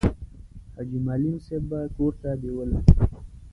حاجي معلم صاحب به کور ته بېول.